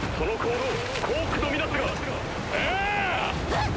えっ？